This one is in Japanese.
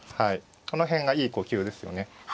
この辺がいい呼吸ですよね。